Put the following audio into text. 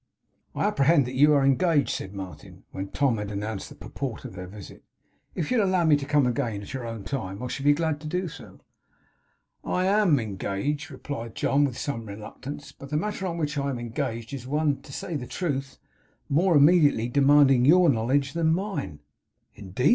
'I apprehend you are engaged,' said Martin, when Tom had announced the purport of their visit. 'If you will allow me to come again at your own time, I shall be glad to do so.' 'I AM engaged,' replied John, with some reluctance; 'but the matter on which I am engaged is one, to say the truth, more immediately demanding your knowledge than mine.' 'Indeed!